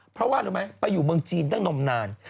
เพราะว่ารู้ไหมไปอยู่เมืองจีนตั้งนมนาน